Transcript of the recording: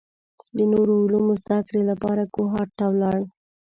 د نورو علومو زده کړې لپاره کوهاټ ته لاړ.